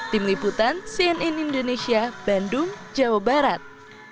tim liputan cnn indonesia bandung jawa barat